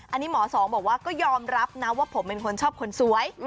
อันนี้หมอสองบอกว่าก็ยอมรับนะว่าผมเป็นคนชอบคนสวย